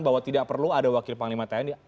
bahwa tidak perlu ada wakil panglima tni